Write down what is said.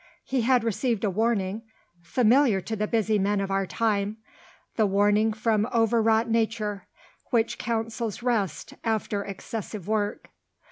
He had received a warning, familiar to the busy men of our time the warning from overwrought Nature, which counsels rest after excessive work.